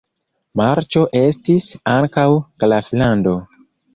Marĉo estis ankaŭ graflando.